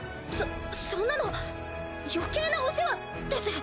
そそんなの余計なお世話です。